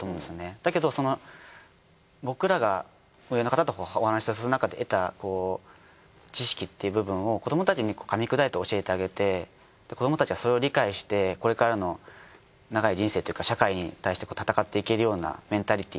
だけど僕らが上の方とお話するなかで得た知識っていう部分を子どもたちにかみ砕いて教えてあげて子どもたちがそれを理解してこれからの長い人生というか社会に対して戦っていけるようなメンタリティ。